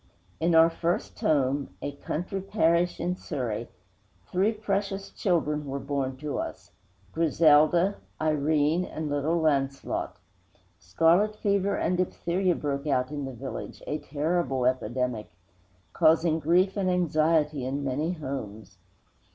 In our first home a country parish in Surrey three precious children were born to us Griselda, Irene and little Launcelot. Scarlet fever and diphtheria broke out in the village, a terrible epidemic, causing grief and anxiety in many homes.